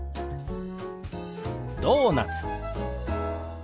「ドーナツ」。